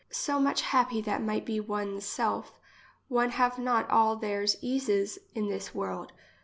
So much happy that might be one's self, one have not all theirs eases in this world.